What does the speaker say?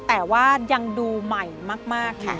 แต่ว่ายังดูใหม่มากค่ะ